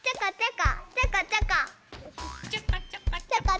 ちょこちょこ。